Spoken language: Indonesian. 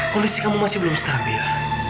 kondisi kamu masih belum stabil